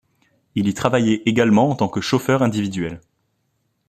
Il y travaillait également en tant que chauffeur individuel.